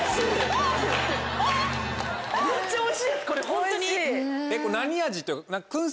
これ何味？